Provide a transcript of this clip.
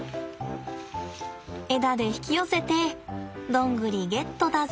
枝で引き寄せてドングリゲットだぜ。